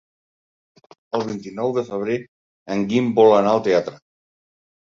El vint-i-nou de febrer en Guim vol anar al teatre.